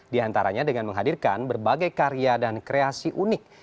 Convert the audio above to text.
di antaranya dengan menghadirkan berbagai karya dan kreasi unik